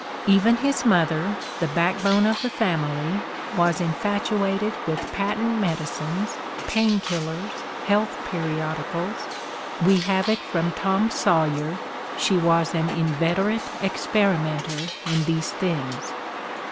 Even his mother, the backbone of the family, was infatuated with patent medicines, '' pain killers, '' health periodicals — ^we have it from "Tom Sawyer" — "she was an inveterate experi menter in these things."